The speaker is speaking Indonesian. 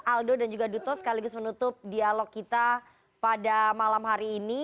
aldo dan juga duto sekaligus menutup dialog kita pada malam hari ini